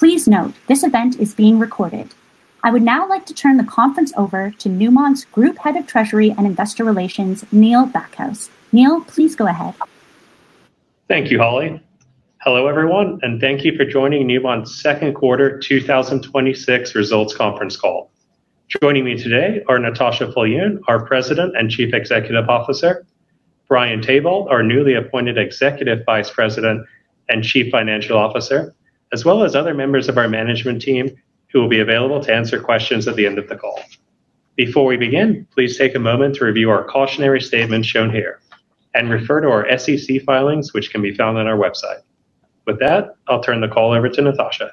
Please note, this event is being recorded. I would now like to turn the conference over to Newmont's Group Head of Treasury and Investor Relations, Neil Backhouse. Neil, please go ahead. Thank you, Holly. Hello, everyone, and thank you for joining Newmont's second quarter 2026 results conference call. Joining me today are Natascha Viljoen, our President and Chief Executive Officer, Brian Tabolt, our newly appointed Executive Vice President and Chief Financial Officer, as well as other members of our management team who will be available to answer questions at the end of the call. Before we begin, please take a moment to review our cautionary statement shown here and refer to our SEC filings, which can be found on our website. With that, I'll turn the call over to Natascha.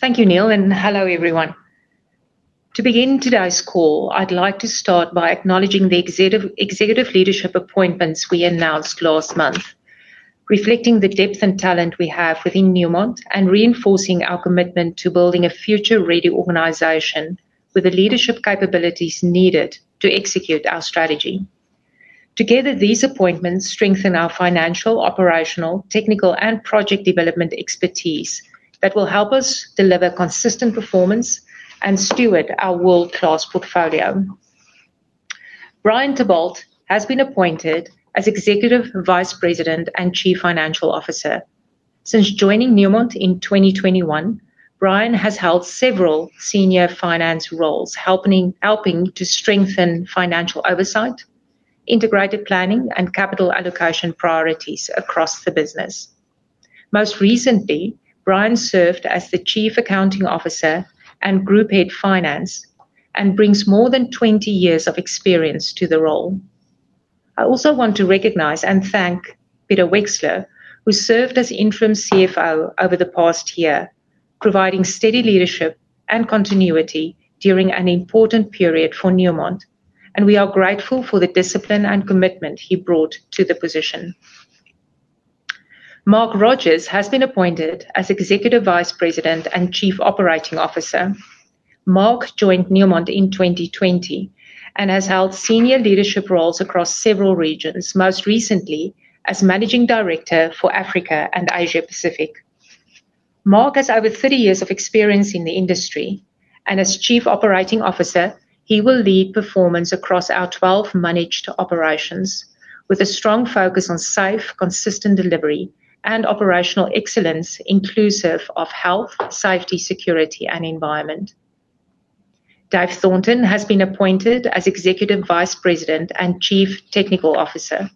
Thank you, Neil, and hello, everyone. To begin today's call, I'd like to start by acknowledging the executive leadership appointments we announced last month, reflecting the depth and talent we have within Newmont and reinforcing our commitment to building a future-ready organization with the leadership capabilities needed to execute our strategy. Together, these appointments strengthen our financial, operational, technical, and project development expertise that will help us deliver consistent performance and steward our world-class portfolio. Brian Tabolt has been appointed as Executive Vice President and Chief Financial Officer. Since joining Newmont in 2021, Brian has held several senior finance roles, helping to strengthen financial oversight, integrated planning, and capital allocation priorities across the business. Most recently, Brian served as the Chief Accounting Officer and Group Head Finance and brings more than 20 years of experience to the role. I also want to recognize and thank Peter Wexler, who served as interim CFO over the past year, providing steady leadership and continuity during an important period for Newmont, and we are grateful for the discipline and commitment he brought to the position. Mark Rodgers has been appointed as Executive Vice President and Chief Operating Officer. Mark joined Newmont in 2020 and has held senior leadership roles across several regions, most recently as Managing Director for Africa and Asia Pacific. Mark has over 30 years of experience in the industry, and as Chief Operating Officer, he will lead performance across our 12 managed operations with a strong focus on safe, consistent delivery and operational excellence, inclusive of health, safety, security, and environment. Dave Thornton has been appointed as Executive Vice President and Chief Technical Officer.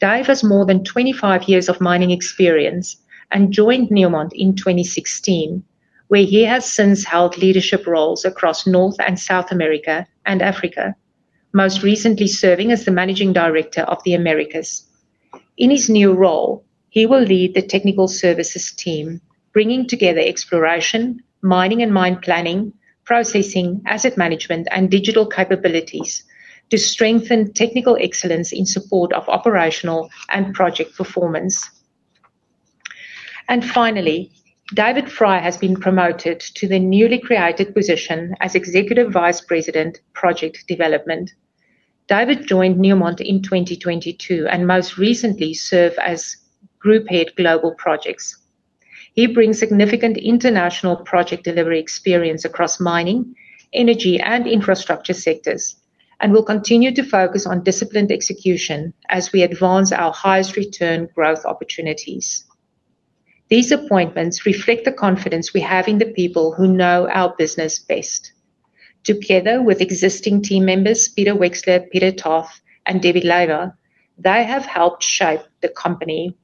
Dave has more than 25 years of mining experience and joined Newmont in 2016, where he has since held leadership roles across North and South America and Africa, most recently serving as the Managing Director of the Americas. In his new role, he will lead the technical services team, bringing together exploration, mining and mine planning, processing, asset management, and digital capabilities to strengthen technical excellence in support of operational and project performance. Finally, David Fry has been promoted to the newly created position as Executive Vice President, Project Development. David joined Newmont in 2022 and most recently served as Group Head, Global Projects. He brings significant international project delivery experience across mining, energy, and infrastructure sectors and will continue to focus on disciplined execution as we advance our highest return growth opportunities. These appointments reflect the confidence we have in the people who know our business best. Together with existing team members, Peter Wexler, Peter Toth, and Debbie Leyva, they have helped shape the company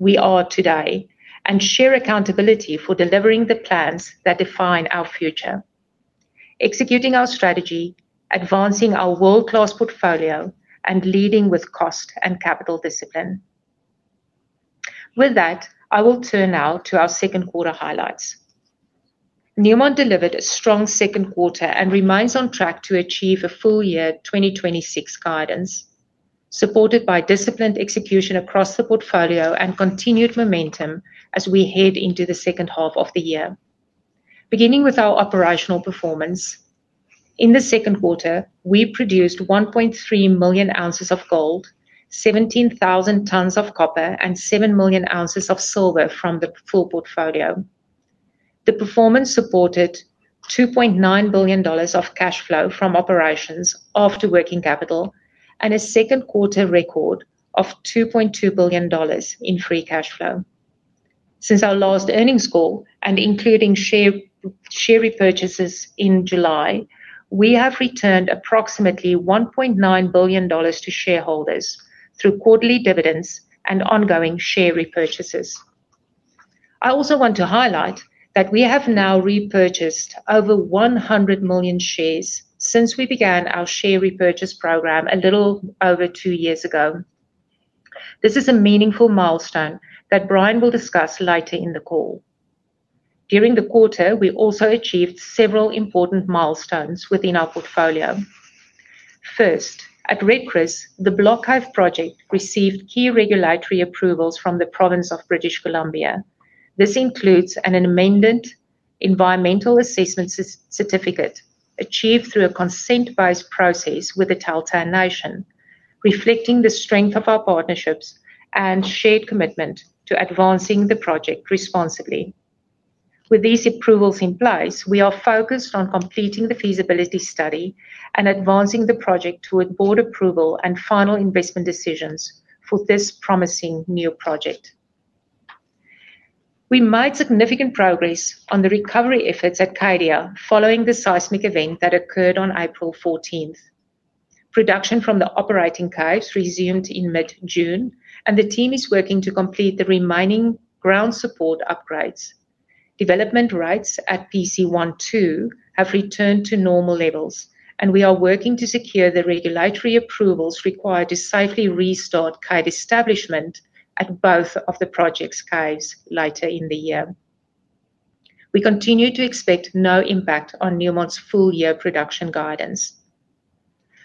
we are today and share accountability for delivering the plans that define our future, executing our strategy, advancing our world-class portfolio, and leading with cost and capital discipline. With that, I will turn now to our second quarter highlights. Newmont delivered a strong second quarter and remains on track to achieve a full-year 2026 guidance, supported by disciplined execution across the portfolio and continued momentum as we head into the second half of the year. Beginning with our operational performance. In the second quarter, we produced 1.3 million ounces of gold, 17,000 tons of copper, and 7 million ounces of silver from the full portfolio. The performance supported $2.9 billion of cash flow from operations after working capital and a second quarter record of $2.2 billion in free cash flow. Since our last earnings call and including share repurchases in July, we have returned approximately $1.9 billion to shareholders through quarterly dividends and ongoing share repurchases. I also want to highlight that we have now repurchased over 100 million shares since we began our share repurchase program a little over two years ago. This is a meaningful milestone that Brian will discuss later in the call. During the quarter, we also achieved several important milestones within our portfolio. First, at Red Chris, the Block caving project received key regulatory approvals from the province of British Columbia. This includes an amendment Environmental assessment certificate achieved through a consent-based process with the Tahltan Nation, reflecting the strength of our partnerships and shared commitment to advancing the project responsibly. With these approvals in place, we are focused on completing the feasibility study and advancing the project toward board approval and final investment decisions for this promising new project. We made significant progress on the recovery efforts at Cadia following the seismic event that occurred on April 14th. Production from the operating caves resumed in mid-June, and the team is working to complete the remaining ground support upgrades. Development rates at PC1-2 have returned to normal levels, and we are working to secure the regulatory approvals required to safely restart cave establishment at both of the project's caves later in the year. We continue to expect no impact on Newmont's full-year production guidance.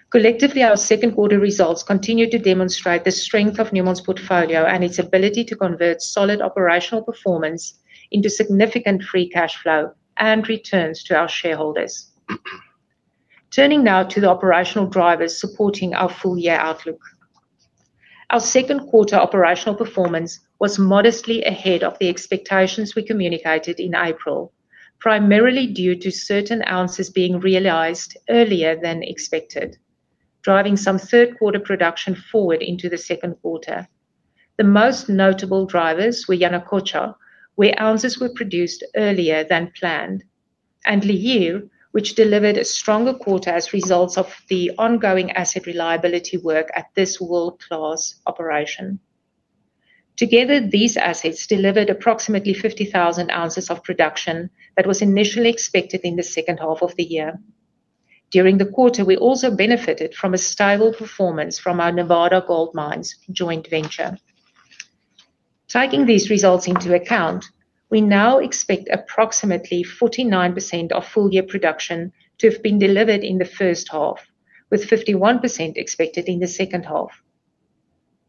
Collectively, our second quarter results continue to demonstrate the strength of Newmont's portfolio and its ability to convert solid operational performance into significant free cash flow and returns to our shareholders. Turning now to the operational drivers supporting our full-year outlook. Our second quarter operational performance was modestly ahead of the expectations we communicated in April, primarily due to certain ounces being realized earlier than expected, driving some third-quarter production forward into the second quarter. The most notable drivers were Yanacocha, where ounces were produced earlier than planned, and Lihir, which delivered a stronger quarter as results of the ongoing asset reliability work at this world-class operation. Together, these assets delivered approximately 50,000 ounces of production that was initially expected in the second half of the year. During the quarter, we also benefited from a stable performance from our Nevada Gold Mines joint venture. Taking these results into account, we now expect approximately 49% of full-year production to have been delivered in the first half, with 51% expected in the second half.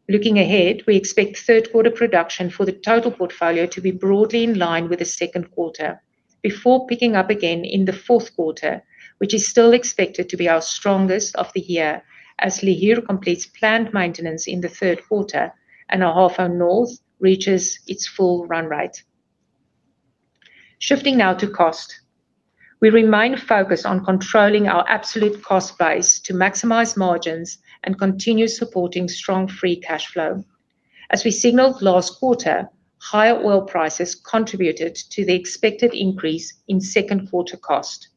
Looking ahead, we expect third-quarter production for the total portfolio to be broadly in line with the second quarter before picking up again in the fourth quarter, which is still expected to be our strongest of the year as Lihir completes planned maintenance in the third quarter and Ahafo North reaches its full run rate. Shifting now to cost. We remain focused on controlling our absolute cost base to maximize margins and continue supporting strong free cash flow. As we signaled last quarter, higher oil prices contributed to the expected increase in second quarter cost.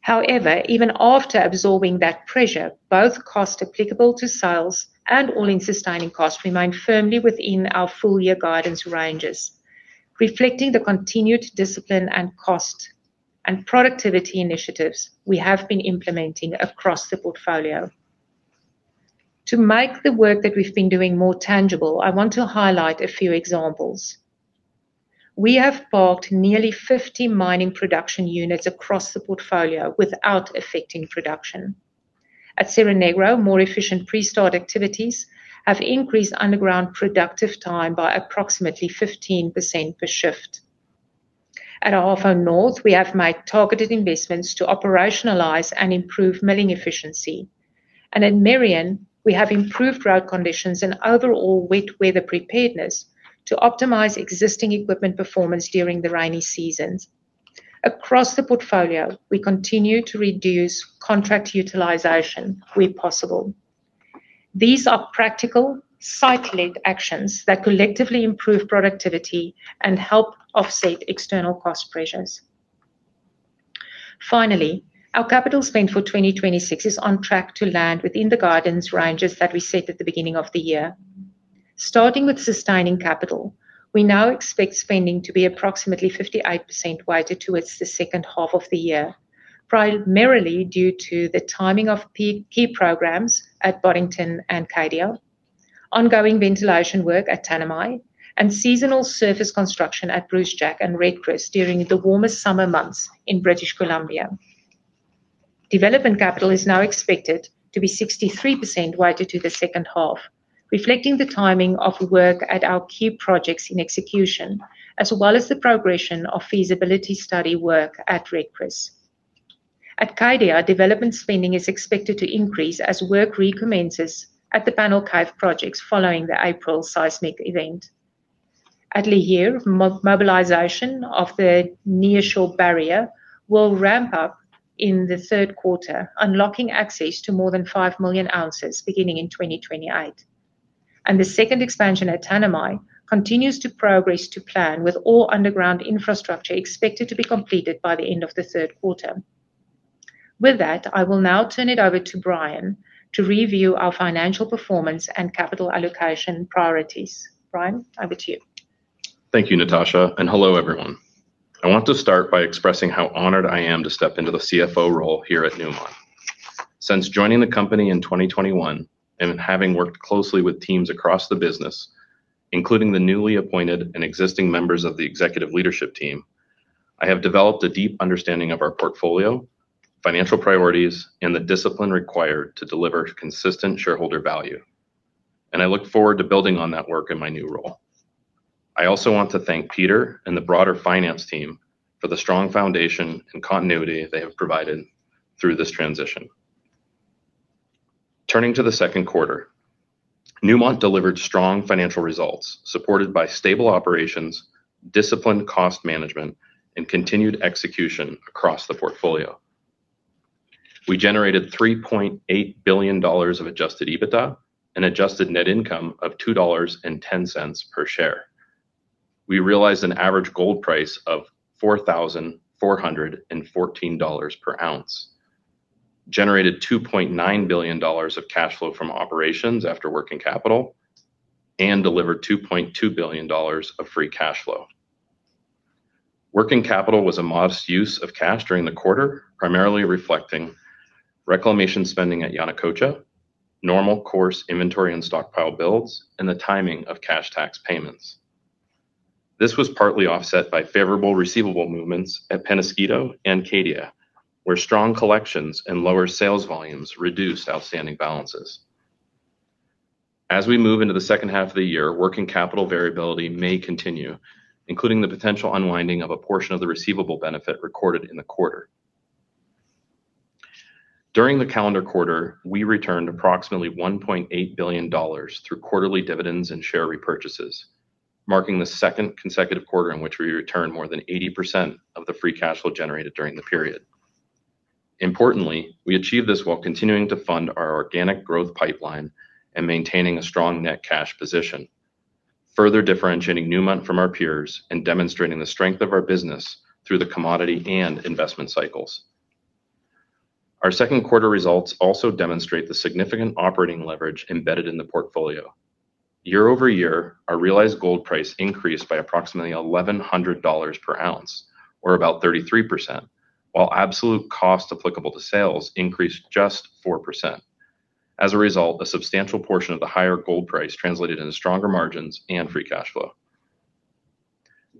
However, even after absorbing that pressure, both Cost Applicable to Sales and All-in Sustaining Costs remain firmly within our full-year guidance ranges, reflecting the continued discipline and cost and productivity initiatives we have been implementing across the portfolio. To make the work that we've been doing more tangible, I want to highlight a few examples. We have parked nearly 50 mining production units across the portfolio without affecting production. At Cerro Negro, more efficient pre-start activities have increased underground productive time by approximately 15% per shift. At Ahafo North, we have made targeted investments to operationalize and improve milling efficiency. At Merian, we have improved road conditions and overall wet weather preparedness to optimize existing equipment performance during the rainy seasons. Across the portfolio, we continue to reduce contract utilization where possible. These are practical, site-led actions that collectively improve productivity and help offset external cost pressures. Finally, our capital spend for 2026 is on track to land within the guidance ranges that we set at the beginning of the year. Starting with sustaining capital, we now expect spending to be approximately 58% weighted towards the second half of the year, primarily due to the timing of key programs at Boddington and Cadia, ongoing ventilation work at Tanami, and seasonal surface construction at Brucejack and Red Chris during the warmer summer months in British Columbia. Development capital is now expected to be 63% weighted to the second half, reflecting the timing of work at our key projects in execution, as well as the progression of feasibility study work at Red Chris. At Cadia, development spending is expected to increase as work recommences at the Panel Cave projects following the April seismic event. At Lihir, mobilization of the Nearshore Soil Barrier will ramp-up in the third quarter, unlocking access to more than 5 million ounces beginning in 2028. The second expansion at Tanami continues to progress to plan, with all underground infrastructure expected to be completed by the end of the third quarter. With that, I will now turn it over to Brian to review our financial performance and capital allocation priorities. Brian, over to you. Thank you, Natascha, and hello, everyone. I want to start by expressing how honored I am to step into the CFO role here at Newmont. Since joining the company in 2021 and having worked closely with teams across the business, including the newly appointed and existing members of the Executive Leadership Team, I have developed a deep understanding of our portfolio, financial priorities, and the discipline required to deliver consistent shareholder value. I look forward to building on that work in my new role. I also want to thank Peter and the broader finance team for the strong foundation and continuity they have provided through this transition. Turning to the second quarter, Newmont delivered strong financial results supported by stable operations, disciplined cost management, and continued execution across the portfolio. We generated $3.8 billion of adjusted EBITDA and adjusted net income of $2.10 per share. We realized an average gold price of $4,414 per ounce, generated $2.9 billion of cash flow from operations after working capital, and delivered $2.2 billion of free cash flow. Working capital was a modest use of cash during the quarter, primarily reflecting reclamation spending at Yanacocha, normal course inventory and stockpile builds, and the timing of cash tax payments. This was partly offset by favorable receivable movements at Peñasquito and Cadia, where strong collections and lower sales volumes reduced outstanding balances. As we move into the second half of the year, working capital variability may continue, including the potential unwinding of a portion of the receivable benefit recorded in the quarter. During the calendar quarter, we returned approximately $1.8 billion through quarterly dividends and share repurchases, marking the second consecutive quarter in which we returned more than 80% of the free cash flow generated during the period. Importantly, we achieved this while continuing to fund our organic growth pipeline and maintaining a strong net cash position, further differentiating Newmont from our peers and demonstrating the strength of our business through the commodity and investment cycles. Our second quarter results also demonstrate the significant operating leverage embedded in the portfolio. Year-over-year, our realized gold price increased by approximately $1,100 per ounce, or about 33%, while absolute cost applicable to sales increased just 4%. As a result, a substantial portion of the higher gold price translated into stronger margins and free cash flow.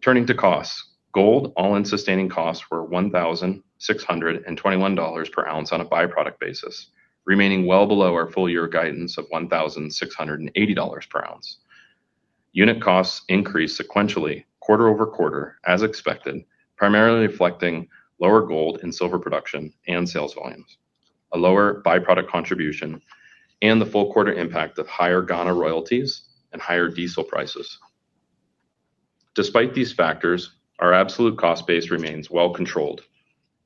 Turning to costs, gold all-in sustaining costs were $1,621 per ounce on a byproduct basis, remaining well below our full-year guidance of $1,680 per ounce. Unit costs increased sequentially quarter-over-quarter as expected, primarily reflecting lower gold and silver production and sales volumes, a lower byproduct contribution, and the full quarter impact of higher Ghana royalties and higher diesel prices. Despite these factors, our absolute cost base remains well-controlled,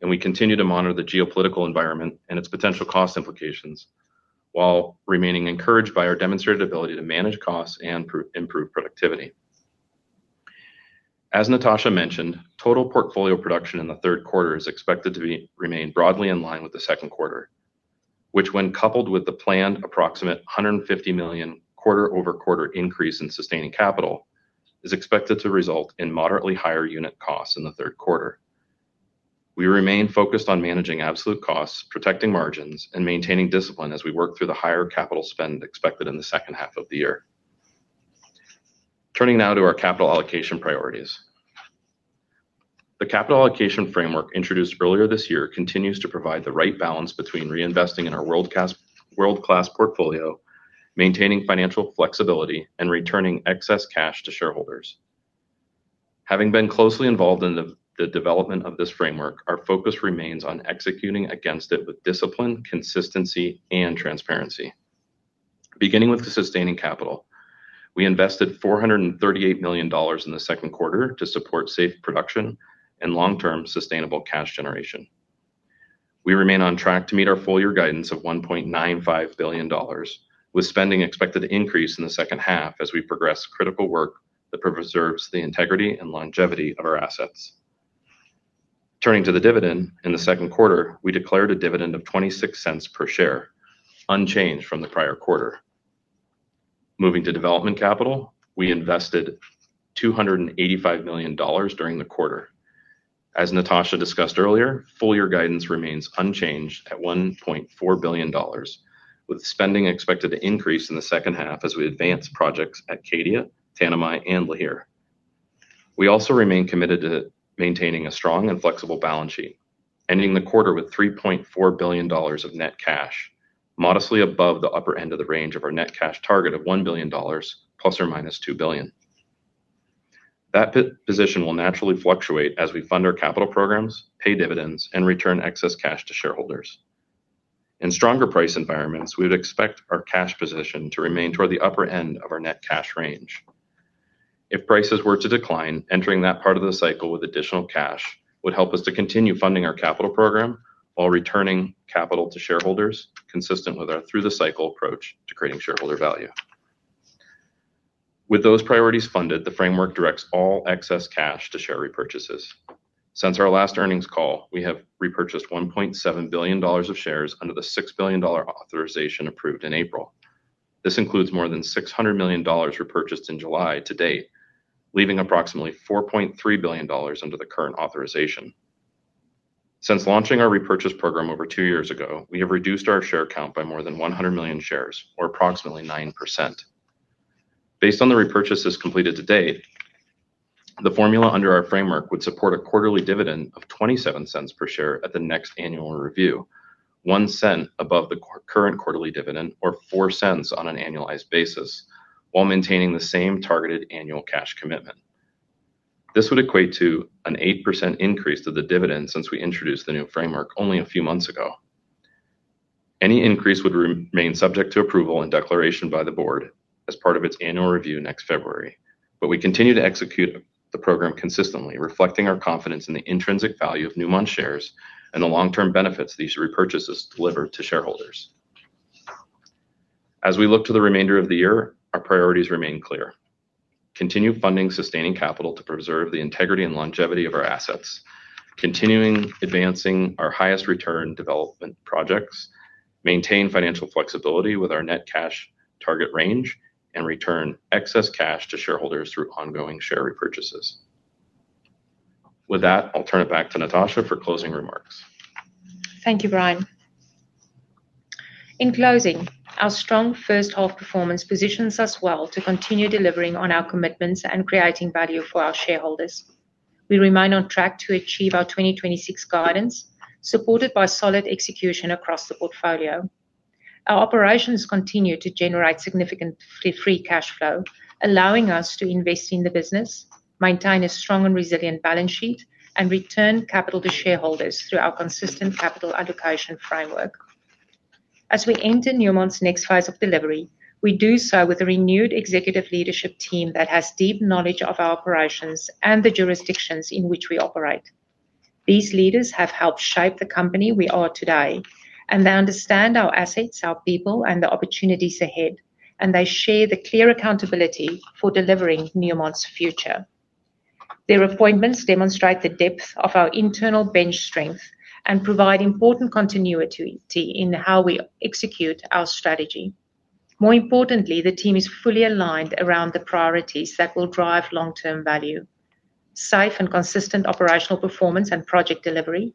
and we continue to monitor the geopolitical environment and its potential cost implications while remaining encouraged by our demonstrated ability to manage costs and improve productivity. As Natascha mentioned, total portfolio production in the third quarter is expected to remain broadly in line with the second quarter, which when coupled with the planned approximate $150 million quarter-over-quarter increase in sustaining capital is expected to result in moderately higher unit costs in the third quarter. We remain focused on managing absolute costs, protecting margins, and maintaining discipline as we work through the higher capital spend expected in the second half of the year. Turning now to our capital allocation priorities. The capital allocation framework introduced earlier this year continues to provide the right balance between reinvesting in our world-class portfolio, maintaining financial flexibility, and returning excess cash to shareholders. Having been closely involved in the development of this framework, our focus remains on executing against it with discipline, consistency, and transparency. Beginning with the sustaining capital, we invested $438 million in the second quarter to support safe production and long-term sustainable cash generation. We remain on track to meet our full-year guidance of $1.95 billion, with spending expected to increase in the second half as we progress critical work that preserves the integrity and longevity of our assets. Turning to the dividend, in the second quarter, we declared a dividend of $0.26 per share, unchanged from the prior quarter. Moving to development capital, we invested $285 million during the quarter. As Natascha discussed earlier, full-year guidance remains unchanged at $1.4 billion, with spending expected to increase in the second half as we advance projects at Cadia, Tanami and Lihir. We also remain committed to maintaining a strong and flexible balance sheet, ending the quarter with $3.4 billion of net cash, modestly above the upper end of the range of our net cash target of $1 billion ± $2 billion. That position will naturally fluctuate as we fund our capital programs, pay dividends, and return excess cash to shareholders. In stronger price environments, we would expect our cash position to remain toward the upper end of our net cash range. If prices were to decline, entering that part of the cycle with additional cash would help us to continue funding our capital program while returning capital to shareholders consistent with our through the cycle approach to creating shareholder value. With those priorities funded, the framework directs all excess cash to share repurchases. Since our last earnings call, we have repurchased $1.7 billion of shares under the $6 billion authorization approved in April. This includes more than $600 million repurchased in July to date, leaving approximately $4.3 billion under the current authorization. Since launching our repurchase program over two years ago, we have reduced our share count by more than 100 million shares or approximately 9%. Based on the repurchases completed to date, the formula under our framework would support a quarterly dividend of $0.27 per share at the next annual review, $0.01 above the current quarterly dividend or $0.04 on an annualized basis while maintaining the same targeted annual cash commitment. This would equate to an 8% increase to the dividend since we introduced the new framework only a few months ago. Any increase would remain subject to approval and declaration by the board as part of its annual review next February. We continue to execute the program consistently, reflecting our confidence in the intrinsic value of Newmont shares and the long-term benefits these repurchases deliver to shareholders. As we look to the remainder of the year, our priorities remain clear. Continue funding sustaining capital to preserve the integrity and longevity of our assets, continuing advancing our highest return development projects, maintain financial flexibility with our net cash target range, and return excess cash to shareholders through ongoing share repurchases. With that, I'll turn it back to Natascha for closing remarks. Thank you, Brian. In closing, our strong first-half performance positions us well to continue delivering on our commitments and creating value for our shareholders. We remain on track to achieve our 2026 guidance, supported by solid execution across the portfolio. Our operations continue to generate significant free cash flow, allowing us to invest in the business, maintain a strong and resilient balance sheet, and return capital to shareholders through our consistent capital allocation framework. As we enter Newmont's next phase of delivery, we do so with a renewed executive leadership team that has deep knowledge of our operations and the jurisdictions in which we operate. These leaders have helped shape the company we are today, and they understand our assets, our people, and the opportunities ahead, and they share the clear accountability for delivering Newmont's future. Their appointments demonstrate the depth of our internal bench strength and provide important continuity in how we execute our strategy. More importantly, the team is fully aligned around the priorities that will drive long-term value, safe and consistent operational performance and project delivery,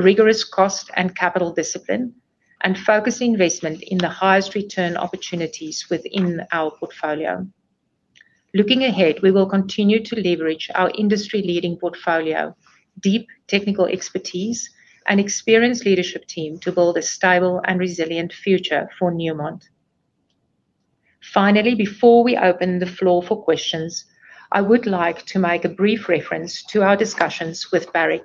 rigorous cost and capital discipline, and focused investment in the highest return opportunities within our portfolio. Looking ahead, we will continue to leverage our industry-leading portfolio, deep technical expertise, and experienced leadership team to build a stable and resilient future for Newmont. Finally, before we open the floor for questions, I would like to make a brief reference to our discussions with Barrick.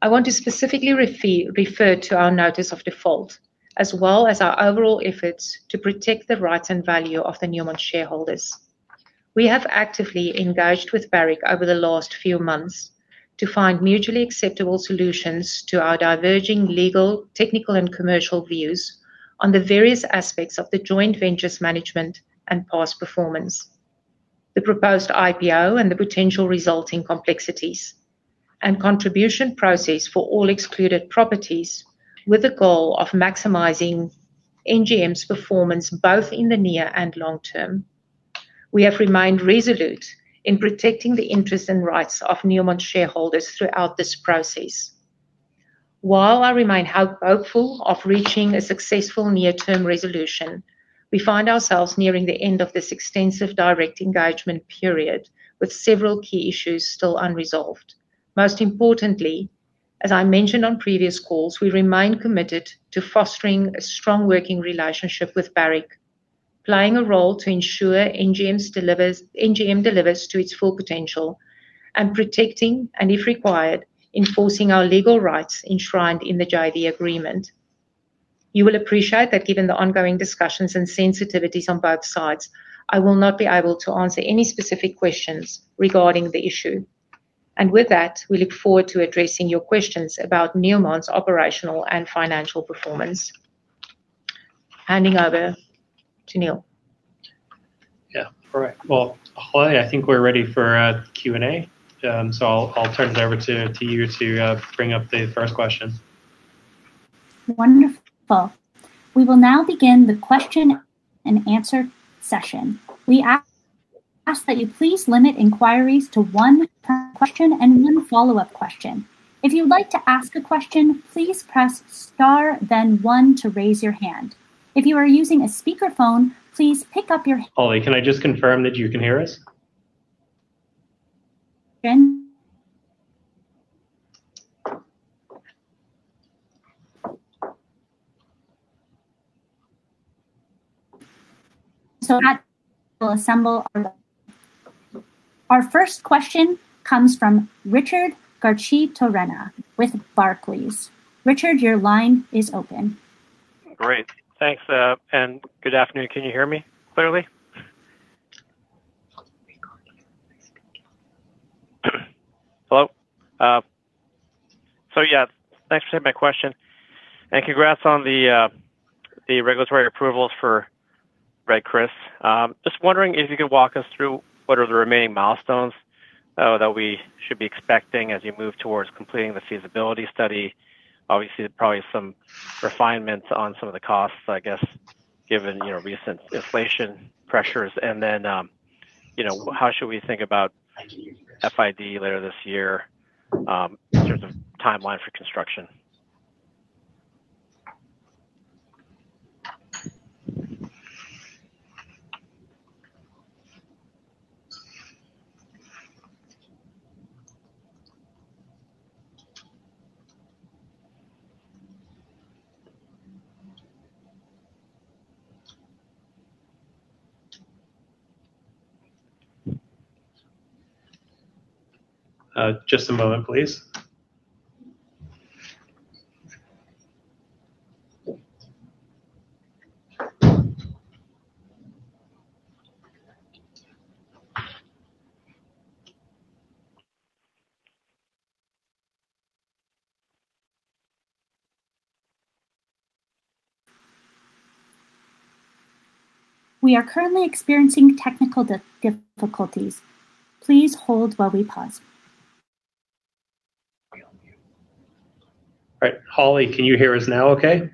I want to specifically refer to our notice of default, as well as our overall efforts to protect the rights and value of the Newmont shareholders. We have actively engaged with Barrick over the last few months to find mutually acceptable solutions to our diverging legal, technical, and commercial views on the various aspects of the joint ventures management and past performance, the proposed IPO and the potential resulting complexities, and contribution process for all excluded properties with the goal of maximizing NGM's performance both in the near and long-term. We have remained resolute in protecting the interests and rights of Newmont shareholders throughout this process. While I remain hopeful of reaching a successful near-term resolution, we find ourselves nearing the end of this extensive direct engagement period with several key issues still unresolved. Most importantly, as I mentioned on previous calls, we remain committed to fostering a strong working relationship with Barrick, playing a role to ensure NGM delivers to its full potential, and protecting, and if required, enforcing our legal rights enshrined in the JV agreement. You will appreciate that given the ongoing discussions and sensitivities on both sides, I will not be able to answer any specific questions regarding the issue. With that, we look forward to addressing your questions about Newmont's operational and financial performance. Handing over to Neil. Yeah. All right. Well, Holly, I think we're ready for Q&A, so I'll turn it over to you to bring up the first question. Wonderful. We will now begin the question-and-answer session. We ask that you please limit inquiries to one question and one follow-up question. If you'd like to ask a question, please press star then one to raise your hand. If you are using a speakerphone, please pick up. Holly, can I just confirm that you can hear us? Our first question comes from Richard Garchitorena with Barclays. Richard, your line is open. Great. Thanks, good afternoon. Can you hear me clearly? Hello? Yeah, thanks for taking my question, and congrats on the regulatory approvals for Red Chris. Just wondering if you could walk us through what are the remaining milestones that we should be expecting as you move towards completing the feasibility study. Obviously, there are probably some refinements on some of the costs, I guess, given recent inflation pressures. Then, how should we think about FID later this year in terms of timeline for construction? Just a moment, please. We are currently experiencing technical difficulties. Please hold while we pause. All right. Holly, can you hear us now okay?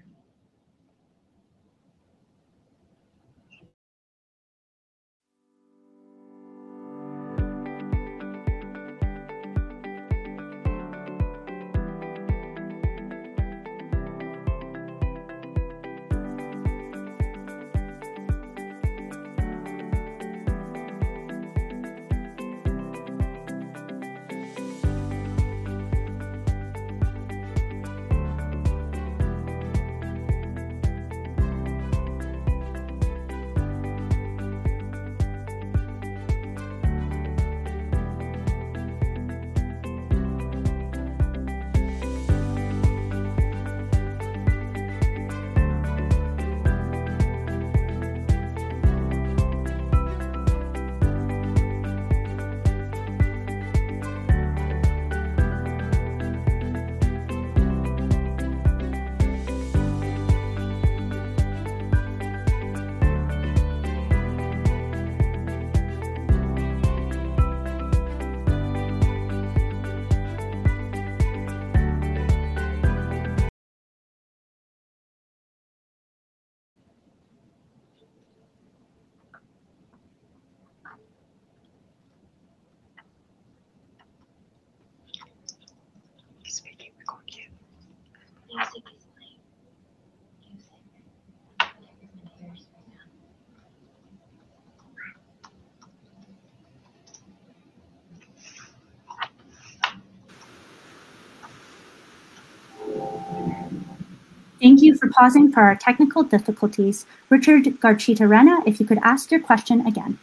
Thank you for pausing for our technical difficulties. Richard Garchitorena, if you could ask your question again.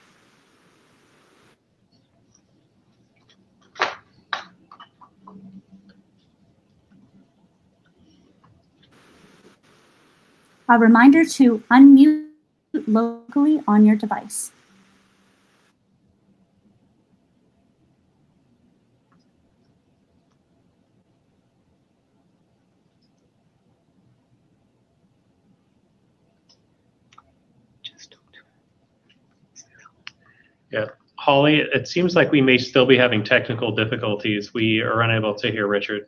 A reminder to unmute locally on your device. Yeah. Holly, it seems like we may still be having technical difficulties. We are unable to hear Richard.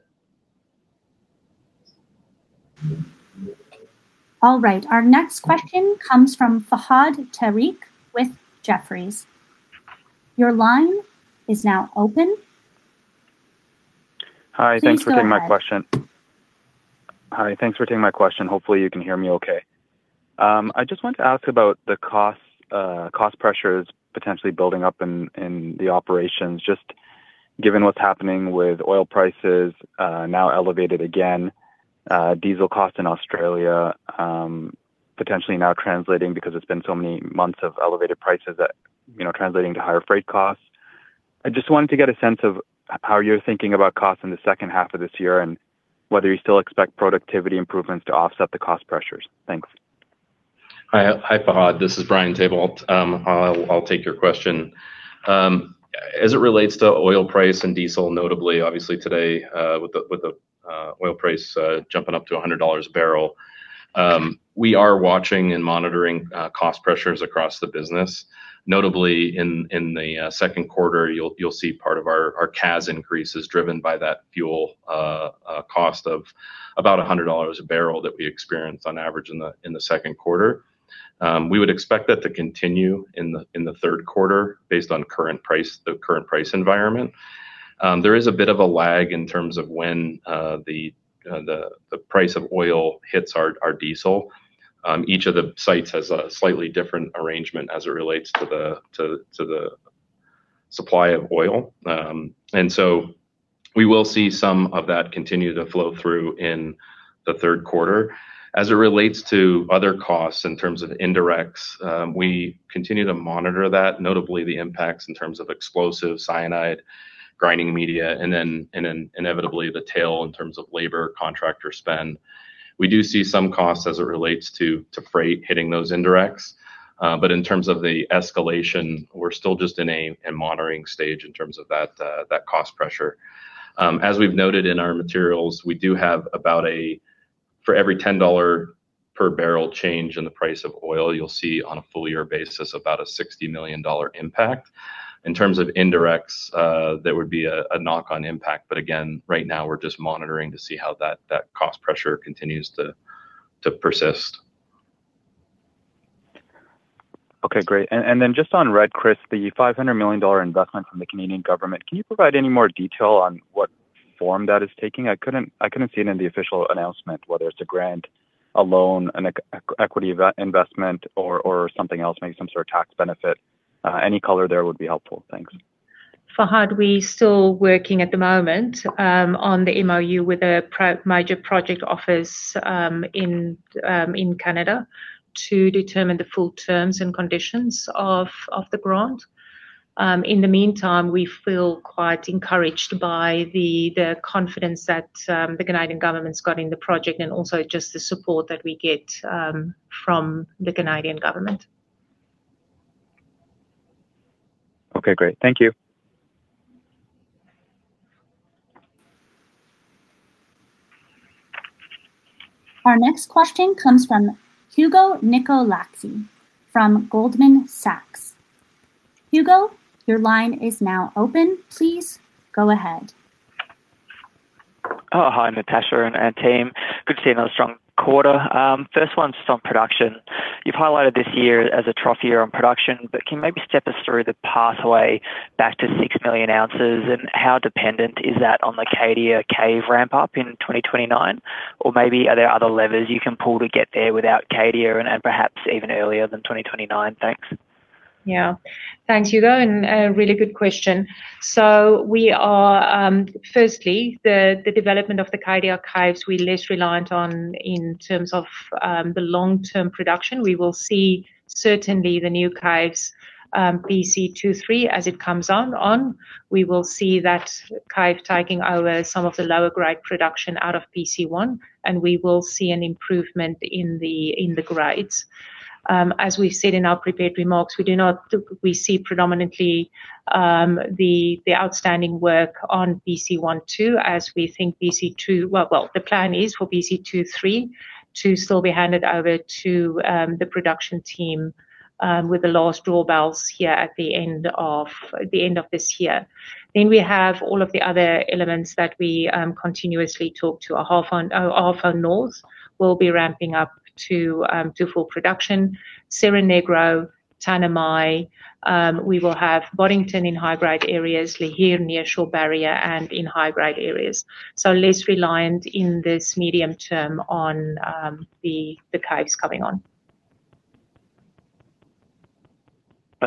All right. Our next question comes from Fahad Tariq with Jefferies. Your line is now open. Hi. Please go ahead. Thanks for taking my question. Hi, thanks for taking my question. Hopefully, you can hear me okay. I just wanted to ask about the cost pressures potentially building up in the operations, just given what's happening with oil prices now elevated again, diesel costs in Australia potentially now translating because it's been so many months of elevated prices translating to higher freight costs. I just wanted to get a sense of how you're thinking about costs in the second half of this year, and whether you still expect productivity improvements to offset the cost pressures. Thanks. Hi, Fahad. This is Brian Tabolt. I'll take your question. As it relates to oil price and diesel, notably, obviously today, with the oil price jumping up to $100 a barrel, we are watching and monitoring cost pressures across the business. Notably, in the second quarter, you'll see part of our CAS increases driven by that fuel cost of about $100 a barrel that we experienced on average in the second quarter. We would expect that to continue in the third quarter based on the current price environment. There is a bit of a lag in terms of when the price of oil hits our diesel. Each of the sites has a slightly different arrangement as it relates to the supply of oil. So we will see some of that continue to flow through in the third quarter. As it relates to other costs in terms of indirects, we continue to monitor that, notably the impacts in terms of explosives, cyanide, grinding media, and then inevitably the tail in terms of labor, contractor spend. We do see some costs as it relates to freight hitting those indirects. In terms of the escalation, we're still just in a monitoring stage in terms of that cost pressure. As we've noted in our materials, for every $10 per bbl change in the price of oil, you'll see on a full year basis about a $60 million impact. In terms of indirects, that would be a knock-on impact. Again, right now we're just monitoring to see how that cost pressure continues to persist. Okay, great. Just on Red Chris, the $500 million investment from the Canadian government, can you provide any more detail on what form that is taking? I couldn't see it in the official announcement, whether it's a grant, a loan, an equity investment or something else, maybe some sort of tax benefit. Any color there would be helpful. Thanks. Fahad, we still working at the moment, on the MOU with a major project office in Canada to determine the full terms and conditions of the grant. In the meantime, we feel quite encouraged by the confidence that the Canadian government's got in the project and also just the support that we get from the Canadian government. Okay, great. Thank you. Our next question comes from Hugo Nicolaci from Goldman Sachs. Hugo, your line is now open. Please go ahead. Hi, Natascha and team. Good to see another strong quarter. First one's just on production. You've highlighted this year as a trough year on production, but can you maybe step us through the pathway back to 6 million ounces and how dependent is that on the Cadia Cave ramp-up in 2029? Are there other levers you can pull to get there without Cadia and perhaps even earlier than 2029? Thanks. Thanks, Hugo, and a really good question. We are, firstly, the development of the Cadia Caves, we're less reliant on in terms of the long-term production. We will see certainly the new caves, PC2-3 as it comes on. We will see that cave taking over some of the lower grade production out of PC1, and we will see an improvement in the grades. As we've said in our prepared remarks, we see predominantly, the outstanding work on PC1-2 as we think PC2. The plan is for PC2-3 to still be handed over to the production team with the last drawbells here at the end of this year. We have all of the other elements that we continuously talk to. Ahafo North will be ramping up to full production. Cerro Negro, Tanami. We will have Boddington in high-grade areas, Lihir near shore barrier and in high-grade areas. Less reliant in this medium term on the caves coming on.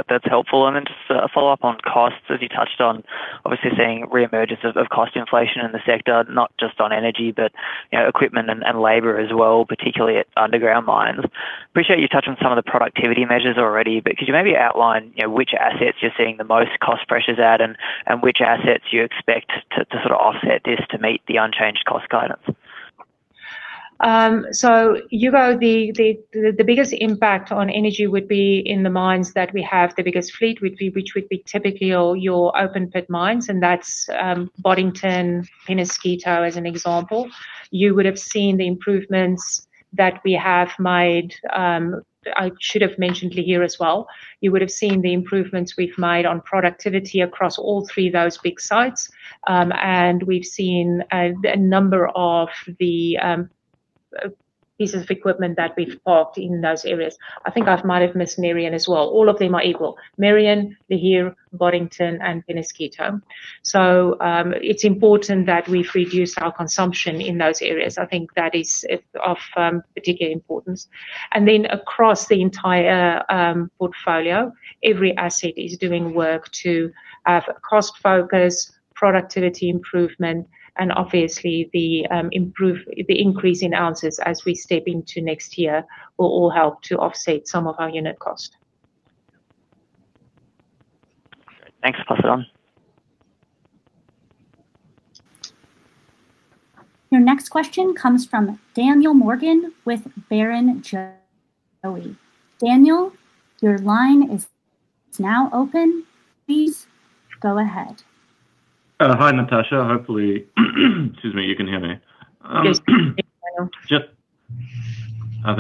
That's helpful. Just a follow-up on costs, as you touched on, obviously seeing re-emergence of cost inflation in the sector, not just on energy, but equipment and labor as well, particularly at underground mines. Appreciate you touching on some of the productivity measures already, but could you maybe outline which assets you're seeing the most cost pressures at and which assets you expect to sort of offset this to meet the unchanged cost guidance? Hugo, the biggest impact on energy would be in the mines that we have. The biggest fleet which would be typically your open pit mines, and that's Boddington, Peñasquito, as an example. You would have seen the improvements that we have made. I should have mentioned Lihir as well. You would have seen the improvements we've made on productivity across all three of those big sites. We've seen a number of the pieces of equipment that we've parked in those areas. I think I might have missed Merian as well. All of them are equal, Merian, Lihir, Boddington and Peñasquito. It's important that we've reduced our consumption in those areas. I think that is of particular importance. Across the entire portfolio, every asset is doing work to have cost focus, productivity improvement, and obviously the increase in ounces as we step into next year will all help to offset some of our unit cost. Great. Thanks, Natascha. Your next question comes from Daniel Morgan with Barrenjoey. Daniel, your line is now open. Please go ahead. Hi, Natascha. Hopefully, excuse me, you can hear me. Yes. Thank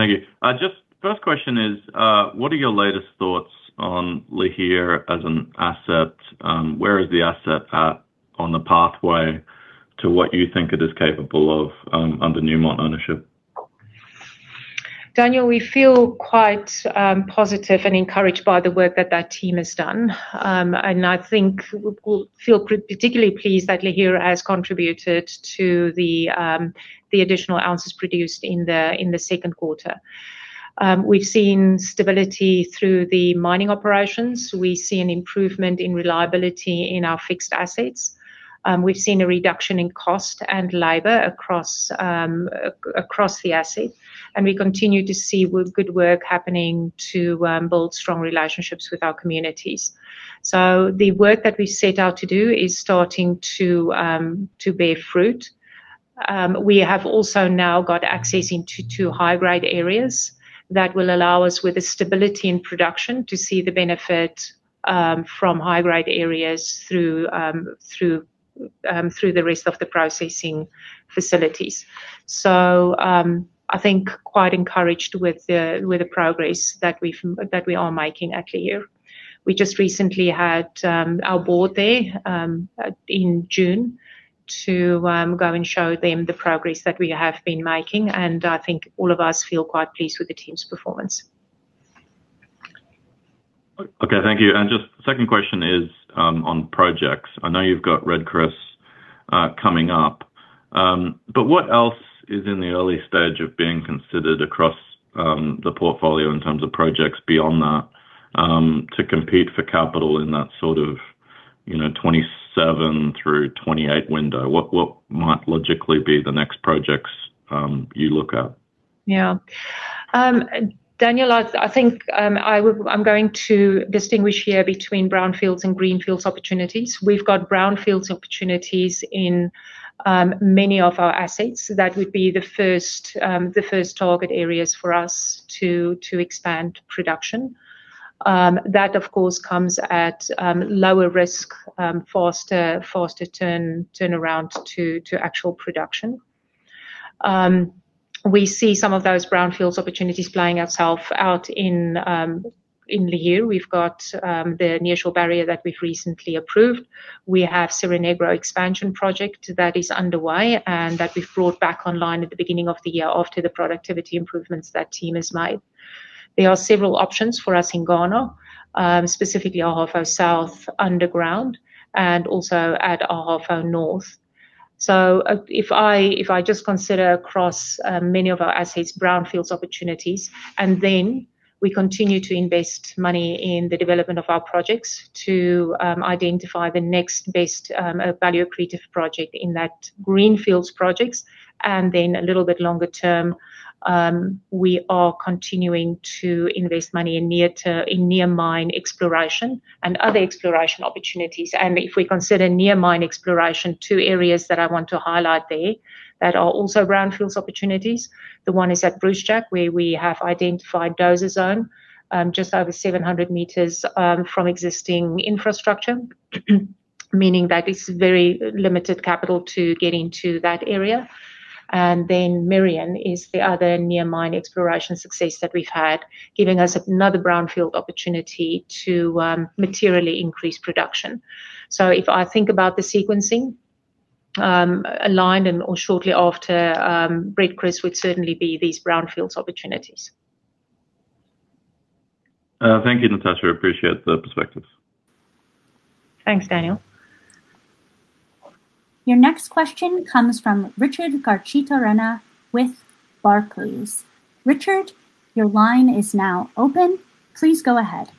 you. Just first question is, what are your latest thoughts on Lihir as an asset? Where is the asset at on the pathway to what you think it is capable of under Newmont ownership? Daniel, we feel quite positive and encouraged by the work that that team has done. I think we feel particularly pleased that Lihir has contributed to the additional ounces produced in the second quarter. We've seen stability through the mining operations. We see an improvement in reliability in our fixed assets. We've seen a reduction in cost and labor across the asset, and we continue to see good work happening to build strong relationships with our communities. The work that we set out to do is starting to bear fruit. We have also now got access into two high-grade areas that will allow us, with the stability in production, to see the benefit from high-grade areas through the rest of the processing facilities. I think quite encouraged with the progress that we are making at Lihir. We just recently had our board there, in June to go and show them the progress that we have been making, I think all of us feel quite pleased with the team's performance. Okay, thank you. Just second question is on projects. I know you've got Red Chris coming up. What else is in the early stage of being considered across the portfolio in terms of projects beyond that, to compete for capital in that sort of, 2027 through 2028 window? What might logically be the next projects you look at? Daniel, I think I'm going to distinguish here between brownfields and greenfields opportunities. We've got brownfields opportunities in many of our assets. That would be the first target areas for us to expand production. That, of course, comes at lower risk, faster turnaround to actual production. We see some of those brownfields opportunities playing itself out in Lihir. We've got the initial barrier that we've recently approved. We have Cerro Negro expansion project that is underway and that we've brought back online at the beginning of the year after the productivity improvements that team has made. There are several options for us in Ghana, specifically Ahafo South underground and also at Ahafo North. If I just consider across many of our assets, brownfields opportunities, and then we continue to invest money in the development of our projects to identify the next best value-accretive project in that greenfields projects. Then a little bit longer-term, we are continuing to invest money in near mine exploration and other exploration opportunities. If we consider near mine exploration, two areas that I want to highlight there that are also brownfields opportunities. The one is at Brucejack where we have identified Dozer Zone, just over 700 m from existing infrastructure, meaning that it's very limited capital to get into that area. Then Merian is the other near mine exploration success that we've had, giving us another brownfield opportunity to materially increase production. If I think about the sequencing, aligned and/or shortly after Red Chris would certainly be these brownfields opportunities. Thank you, Natascha. Appreciate the perspectives. Thanks, Daniel. Your next question comes from Richard Garchitorena with Barclays. Richard, your line is now open. Please go ahead.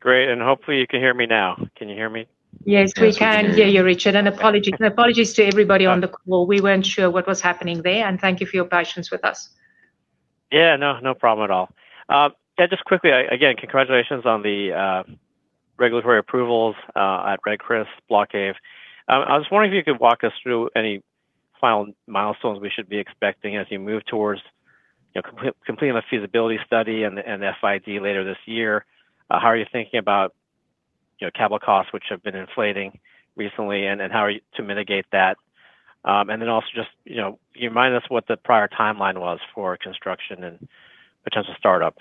Great, hopefully you can hear me now. Can you hear me? Yes, we can hear you, Richard, apologies to everybody on the call. We weren't sure what was happening there, thank you for your patience with us. Yeah, no problem at all. Just quickly, again, congratulations on the regulatory approvals at Red Chris Block Caving. I was wondering if you could walk us through any final milestones we should be expecting as you move towards completing the feasibility study and FID later this year. How are you thinking about capital costs, which have been inflating recently, and how are you to mitigate that? Also just remind us what the prior timeline was for construction and potential startup.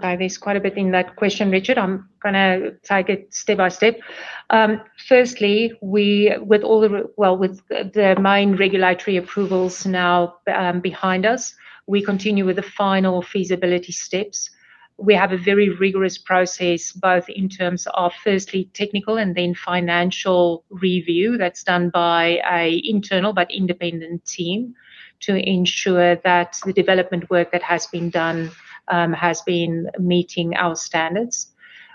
There's quite a bit in that question, Richard. I'm gonna take it step by step. Firstly, with the main regulatory approvals now behind us, we continue with the final feasibility steps. We have a very rigorous process, both in terms of firstly technical and then financial review that's done by a internal but independent team to ensure that the development work that has been done has been meeting our standards.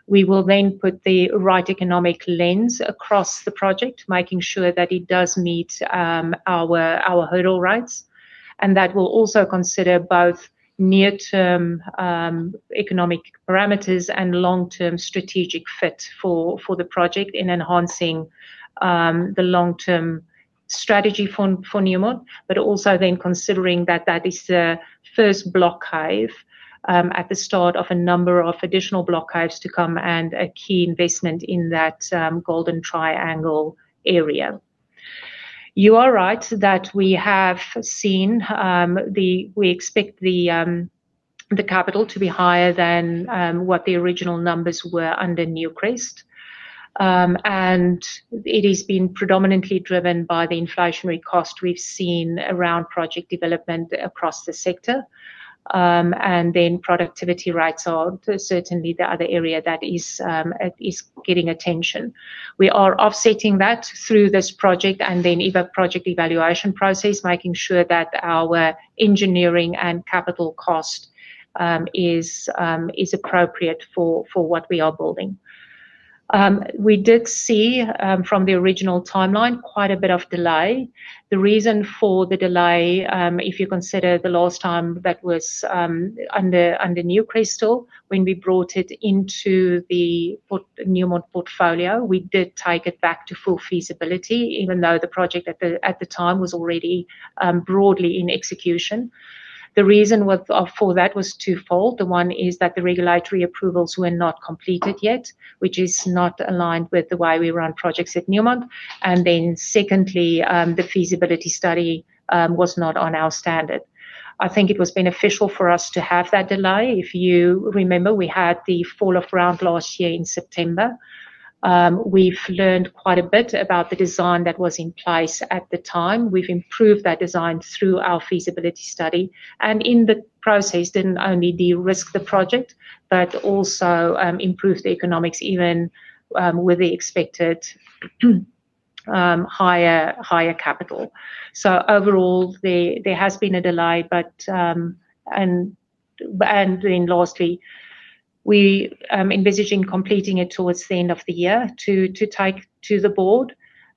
We will then put the right economic lens across the project, making sure that it does meet our hurdle rates. That will also consider both near-term economic parameters and long-term strategic fit for the project in enhancing the long-term strategy for Newmont, but also then considering that that is the first block cave at the start of a number of additional block caves to come and a key investment in that Golden Triangle area. You are right that we expect the capital to be higher than what the original numbers were under Newcrest. It is being predominantly driven by the inflationary cost we've seen around project development across the sector. Productivity rates are certainly the other area that is getting attention. We are offsetting that through this project and then project evaluation process, making sure that our engineering and capital cost is appropriate for what we are building. We did see, from the original timeline, quite a bit of delay. The reason for the delay, if you consider the last time that was under Newcrest still, when we brought it into the Newmont portfolio, we did take it back to full feasibility, even though the project at the time was already broadly in execution. The reason for that was twofold. One is that the regulatory approvals were not completed yet, which is not aligned with the way we run projects at Newmont. Secondly, the feasibility study was not on our standard. I think it was beneficial for us to have that delay. If you remember, we had the fall-of-ground last year in September. We've learned quite a bit about the design that was in place at the time. We've improved that design through our feasibility study, and in the process, didn't only de-risk the project, but also improved the economics, even with the expected higher capital. Overall, there has been a delay. Lastly, we envisaging completing it towards the end of the year to take to the board.